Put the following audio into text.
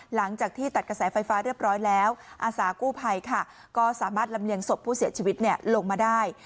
หลังจากที่ตัดกระแสไฟฟ้าเรียบร้อยแล้วอาสากู้ภัยค่ะก็สามารถลำเลียงศพผู้เสียชีวิตลงมาได้